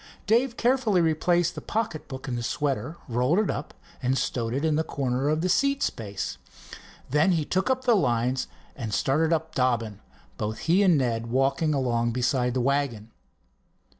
Dave carefully replaced the pocket book in the sweater, rolled it up, and stowed it in the corner of the seat space. Then he took up the lines and started up Dobbin, both he and Ned walking along beside the wagon.